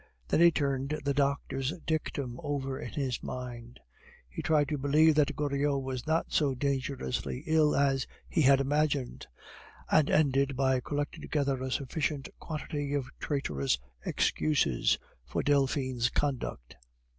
Then he turned the doctor's dictum over in his mind; he tried to believe that Goriot was not so dangerously ill as he had imagined, and ended by collecting together a sufficient quantity of traitorous excuses for Delphine's conduct.